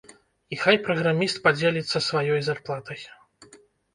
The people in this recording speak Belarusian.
І хай праграміст падзеліцца сваёй зарплатай.